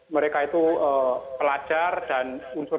mereka itu pelajar dan unsur